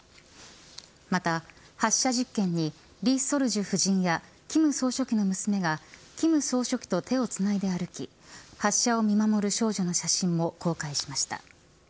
また、発射実験に李雪主夫人や金総書記の娘が金総書記と手をつないで歩き発射を見守る少女の写真も公開しました。